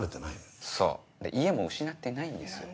で家も失ってないんですよ。